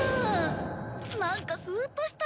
なんかスーッとした。